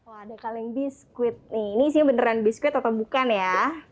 oh ada kaleng biskuit nih ini isinya beneran biskuit atau bukan ya